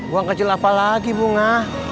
buang kecil apa lagi bunga